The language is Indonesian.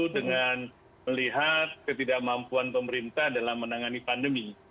dan melihat ketidakmampuan pemerintah dalam menangani pandemi